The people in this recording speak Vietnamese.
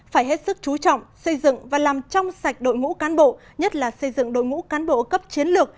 phải hết sức chú trọng xây dựng và làm trong sạch đội ngũ cán bộ nhất là xây dựng đội ngũ cán bộ cấp chiến lược